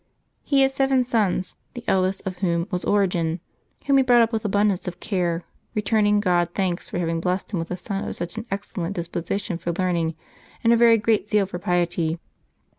He had seven sons, the eldest of whom was Origen, whom he brought up with abundance of care, returning God thanks for having blessed him with a son of such an excellent disposition for learning, and a very great zeal for piety.